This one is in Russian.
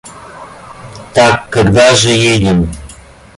Так когда же едем?